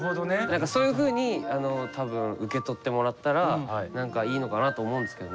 何かそういうふうにたぶん受け取ってもらったら何かいいのかなと思うんですけどね。